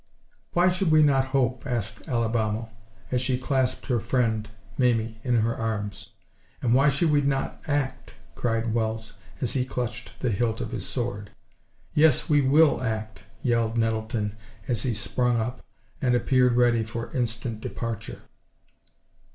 "Why should we not hope?" asked Alibamo, as she clasped her friend Mamie in her arms. "And why should we not act?" cried Wells, as he clutched the hilt of his sword. "Yes, we will act," yelled Nettleton, as he sprung up, and appeared ready for instant departure.